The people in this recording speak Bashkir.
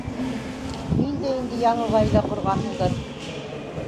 Һин дә инде яңы ғаилә ҡорғанһыңдыр.